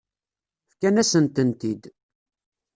Fkan-asen-tent-id.